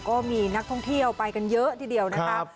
ก็มีนักท่องเที่ยวไปกันเยอะทีเดียวนะครับ